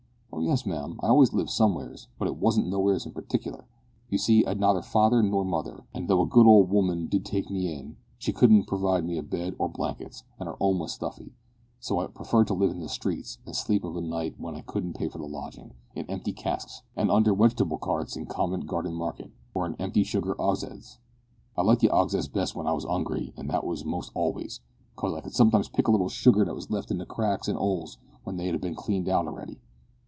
"Oh yes, ma'am, I always lived somewheres, but it wasn't nowheres in partikler. You see I'd neither father nor mother, an' though a good old 'ooman did take me in, she couldn't purvide a bed or blankets, an' her 'ome was stuffy, so I preferred to live in the streets, an' sleep of a night w'en I couldn't pay for a lodgin', in empty casks and under wegitable carts in Covent Garden Market, or in empty sugar 'ogsheads. I liked the 'ogsheads best w'en I was 'ungry, an' that was most always, 'cause I could sometimes pick a little sugar that was left in the cracks an' 'oles, w'en they 'adn't bin cleaned out a'ready.